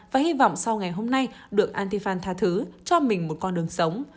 và hy vọng sau ngày hôm nay được antifan tha thứ cho mình một con đường sống